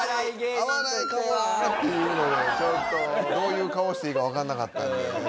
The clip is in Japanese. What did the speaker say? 合わないかもっていうのでちょっとどういう顔していいかわからなかったんでね。